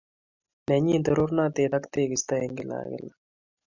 Nenyi torornatet ak teegisto en kila ak kila